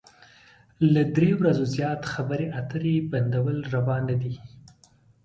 له درې ورځو زيات خبرې اترې بندول روا نه ده.